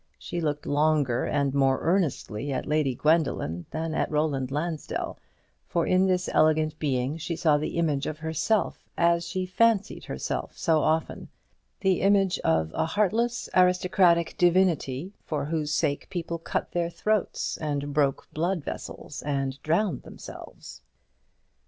She looked longer and more earnestly at Lady Gwendoline than at Roland Lansdell, for in this elegant being she saw the image of herself, as she had fancied herself so often the image of a heartless aristocratic divinity, for whose sake people cut their throats, and broke blood vessels, and drowned themselves.